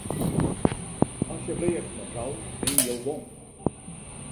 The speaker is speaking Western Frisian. Asjebleaft mefrou, gean jo gong.